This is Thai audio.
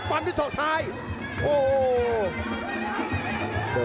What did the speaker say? ฟันที่สอบใสโอ้โห